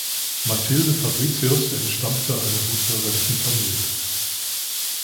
Mathilde Fabricius entstammte einer gutbürgerlichen Familie.